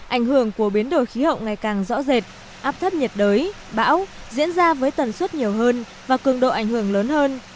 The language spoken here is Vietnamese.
ảnh hưởng của biến đổi khí hậu ngày càng rõ rệt áp thấp nhiệt đới bão diễn ra với tần suất nhiều hơn và cường độ ảnh hưởng lớn hơn